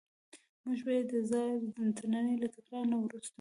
موږ به یې د زاړه ترننی له تکرار نه وروسته.